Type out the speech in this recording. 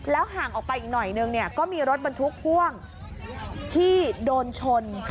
ห่างออกไปอีกหน่อยนึงก็มีรถบรรทุกพ่วงที่โดนชน